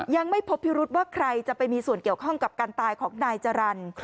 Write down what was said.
ยังไม่พบพิรุษว่าใครจะไปมีส่วนเกี่ยวข้องกับการตายของนายจรรย์